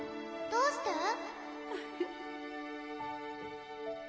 どうして？